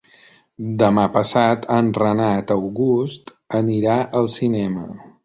Demà passat en Renat August anirà al cinema.